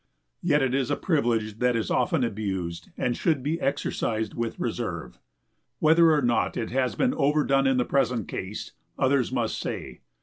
Yet it is a privilege that is often abused and should be exercised with reserve. Whether or not it has been overdone in the present case, others must say.